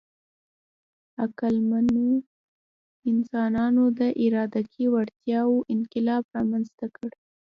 عقلمنو انسانانو د ادراکي وړتیاوو انقلاب رامنځ ته کړ.